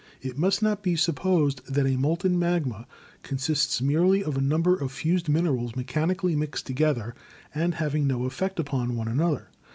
It must not be supposed that a molten magma consists merely of a number of fused minerals mechanically mixed together and having no effect upon one another.